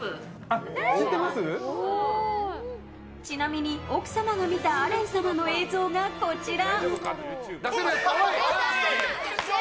ちなみに、奥様が見たアレン様の映像がこちら。